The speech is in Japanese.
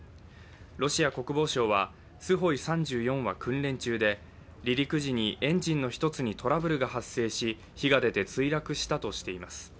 ロシア国防省はスホイ３４は訓練中で離陸時にエンジンの１つにトラブルが発生し火が出て墜落したとしています。